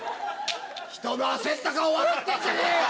ひとの焦った顔笑ってんじゃねえよ！